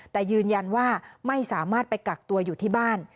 แต่ยืนยันว่าไม่สามารถไปกักตัวอยู่ที่บ้าน